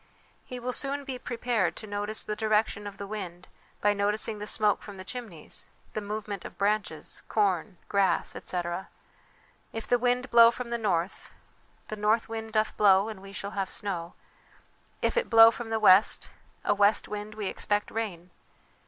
He will soon be prepared to notice the direction of the wind by noticing the smoke from the chimneys, the movement of branches, corn, grass, etc. If the wind blow from the north The north wind doth blow and we shall have snow.' If it blow from the west, a west wind, we expect rain.